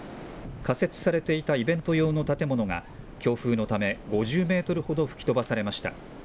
仮設されていたイベント用の建物が強風のため、５０メートルほど吹き飛ばされました。